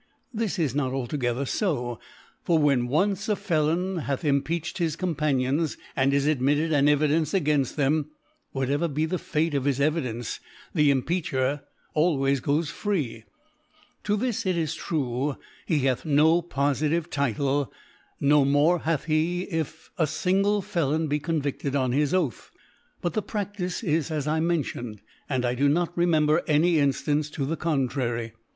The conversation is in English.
This is not altogether fo : For when once a Felon hath Impeach ed his Companions, and is admitted an Evi dence againfl: them, whatever be the Fate of his Evidence, the Impeacher always goes free. To this, it is true, he hath na fofitive Title, no more hath he, if a fingle elon be convicted on his Oath. But the Praftice is as I mention, and I do not re member any Inftance to the contrary.